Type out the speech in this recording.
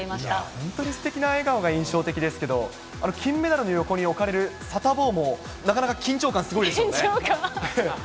本当にすてきな笑顔が印象的ですけど、あの金メダルの横に置かれるサタボーもなかなか緊張感、すごいで緊張感。